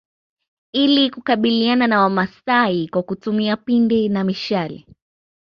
Ili kukabiliana na wamasai kwa kutumia pinde na mishale